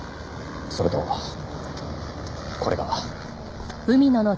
それとこれが。